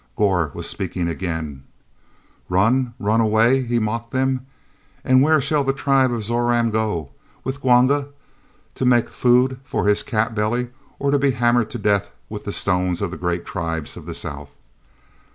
Gor was speaking again: "Run! Run away!" he mocked them. "And where shall the tribe of Zoran go? With Gwanga, to make food for his cat belly or to be hammered to death with the stones of the great tribes of the south?"